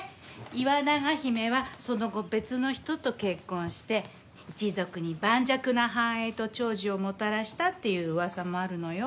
イワナガヒメはその後別の人と結婚して一族に盤石な繁栄と長寿をもたらしたっていう噂もあるのよ。